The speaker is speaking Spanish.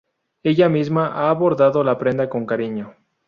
Ella misma ha bordado la prenda con cariño.